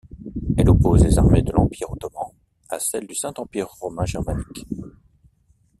Elle oppose les armées de l'Empire ottoman à celles du Saint-Empire romain germanique.